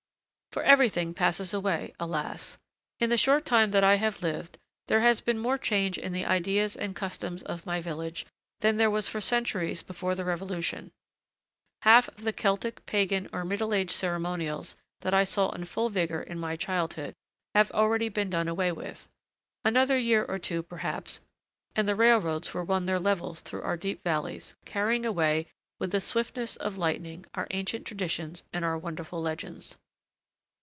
For everything passes away, alas! In the short time that I have lived, there has been more change in the ideas and customs of my village than there was for centuries before the Revolution. Half of the Celtic, pagan, or Middle Age ceremonials that I saw in full vigor in my childhood, have already been done away with. Another year or two, perhaps, and the railroads will run their levels through our deep valleys, carrying away, with the swiftness of lightning, our ancient traditions and our wonderful legends.